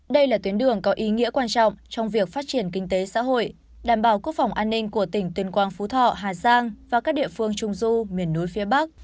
đây là tuyến đường có ý nghĩa quan trọng trong việc phát triển kinh tế xã hội đảm bảo quốc phòng an ninh của tỉnh tuyên quang phú thọ hà giang và các địa phương trung du miền núi phía bắc